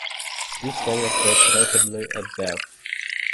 These colors fade rapidly at death.